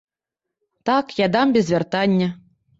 Так, я дам без вяртання.